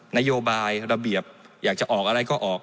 นโยบายระเบียบอยากจะออกอะไรก็ออก